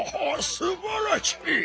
すばらしい！